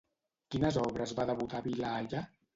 Quines obres va debutar Vila allà?